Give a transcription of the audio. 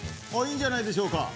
いいんじゃないでしょうか？